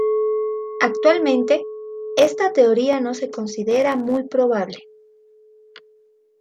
Actualmente, esta teoría no se considera muy probable.